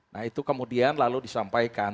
nah itu kemudian lalu disampaikan